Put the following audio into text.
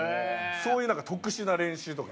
そういうなんか特殊な練習とか。